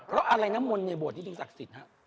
แล้วอะไรน้ำมนต์ในบวชที่ถึงศักดิ์สิทธิ์ครับ